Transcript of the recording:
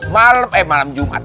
malem eh malam jumat